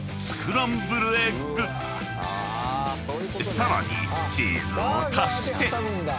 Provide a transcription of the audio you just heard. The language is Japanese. ［さらにチーズを足して］